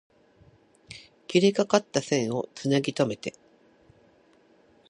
切れかかった線を繋ぎとめて